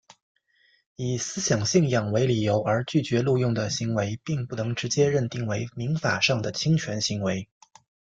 以思想信仰为理由而拒绝录用的行为并不能直接认定为民法上的侵权行为。